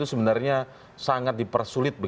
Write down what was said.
itu sebenarnya sangat dipersulit